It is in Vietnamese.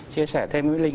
chia sẻ thêm với linh